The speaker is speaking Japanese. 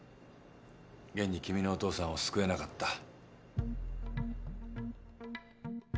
現に君のお父さんを救えなかった。